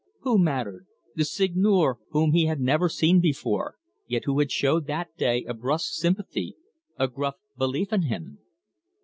Who mattered? The Seigneur, whom he had never seen before, yet who had showed that day a brusque sympathy, a gruff belief in him?